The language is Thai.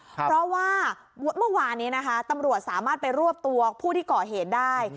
เพราะว่าเมื่อวานนี้นะคะตำรวจสามารถไปรวบตัวผู้ที่ก่อเหตุได้